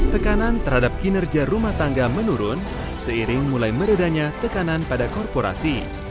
tekanan terhadap kinerja rumah tangga menurun seiring mulai meredanya tekanan pada korporasi